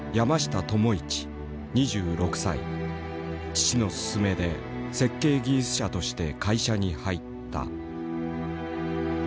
父の勧めで設計技術者として会社に入った。